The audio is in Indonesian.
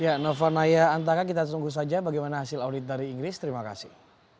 ya nova naya antaka kita tunggu saja bagaimana hasil audit dari inggris terima kasih